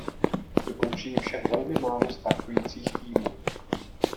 Dokončí ji však velmi málo startujících týmů.